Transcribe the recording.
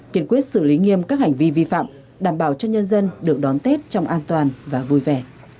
kiên quyết xử lý nghiêm các hành vi vi phạm đảm bảo cho nhân dân được đón tết trong an toàn và vui vẻ